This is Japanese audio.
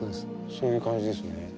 そういう感じですね。